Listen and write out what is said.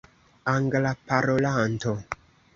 anglaparolanto